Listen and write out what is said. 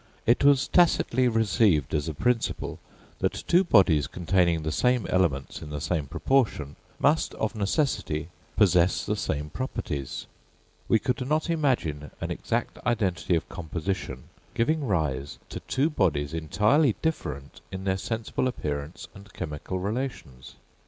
It was tacitly received as a principle, that two bodies containing the same elements in the same proportion, must of necessity possess the same properties. We could not imagine an exact identity of composition giving rise to two bodies entirely different in their sensible appearance and chemical relations.